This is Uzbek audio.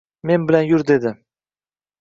Men bilan yur dedi.